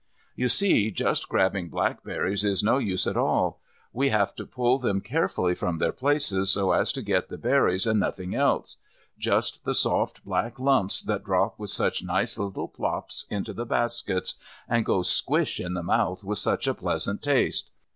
You see just grabbing blackberries is no use at all. We have to pull them carefully from their places, so as to get the berries and nothing else; just the soft black lumps that drop with such nice little plops into the baskets, and go squish in the mouth with such a pleasant taste.